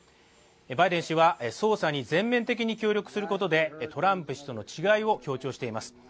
バイデン氏は捜査に全面的に協力することでトランプ氏との違いを強調しています。